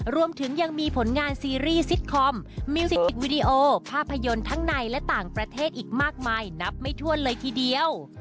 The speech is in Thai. รวมถึงยังมีผลงานซีรีส์ซิตคอมมิวสิกวิดีโอภาพยนตร์ทั้งในและต่างประเทศอีกมากมายนับไม่ถ้วนเลยทีเดียว